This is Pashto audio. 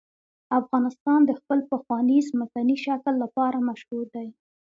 افغانستان د خپل پخواني ځمکني شکل لپاره مشهور دی.